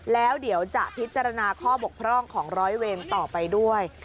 แล้วเดี๋ยวจะพิจารณาข้อบกพร่องของร้อยเวรต่อไปด้วย